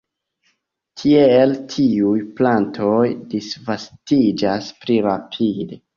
Tiel tiuj plantoj disvastiĝas pli rapide.